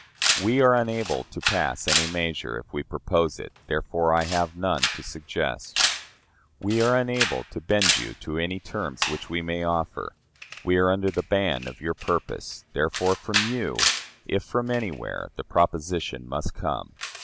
We are unable to pass any measure, if we propose it; therefore I have none to suggest. We are unable to bend you to any terms which we may offer; we are under the ban of your purpose: therefore from you, if from anywhere, the proposition must come.